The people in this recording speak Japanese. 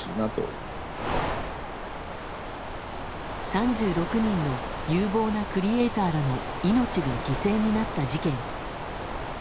３６人の有望なクリエーターらの命が犠牲になった事件。